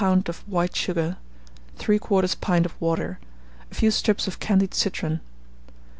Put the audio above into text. of white sugar, 3/4 pint of water, a few strips of candied citron.